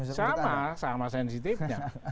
sama sama sensitifnya